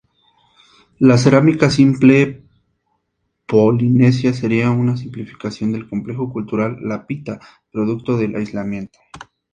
La cerámica simple polinesia sería una simplificación del complejo cultural lapita producto del aislamiento.